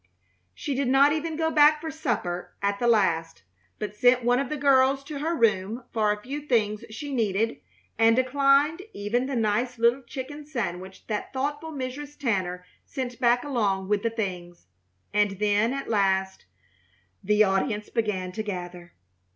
She did not even go back for supper at the last, but sent one of the girls to her room for a few things she needed, and declined even the nice little chicken sandwich that thoughtful Mrs. Tanner sent back along with the things. And then, at last, the audience began to gather.